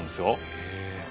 へえ。